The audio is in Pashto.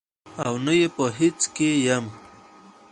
او نه یې په هڅه کې یم